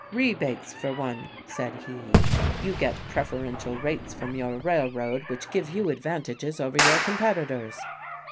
"'Rebates, for one,' said he, 'you get preferential rates from your railroad which give you advantages over your competitors.'